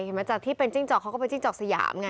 เหมือนที่เป็นจิ้งจอกเขาก็เป็นจิ้งจอกสยามอย่างงี้